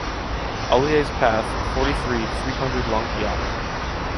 Olliers path, forty-three, three hundred Langeac